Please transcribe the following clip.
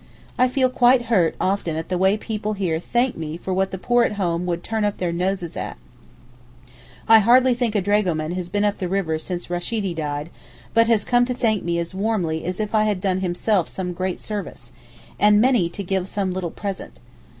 I feel quite hurt often at the way the people here thank me for what the poor at home would turn up their noses at. I think hardly a dragoman has been up the river since Rashedee died but has come to thank me as warmly as if I had done himself some great service—and many to give some little present.